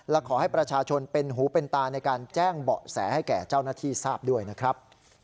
และขอให้ประชาชนเป็นหูเป็นตาในการแจ้งเบาะแสให้แก่เจ้าหน้าที่ทราบด้วยนะครับ